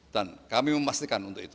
dan kami memastikan untuk itu